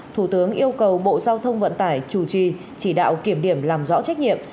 thủ tướng yêu cầu bộ giao thông vận tải chủ trì chỉ đạo kiểm điểm làm rõ trách nhiệm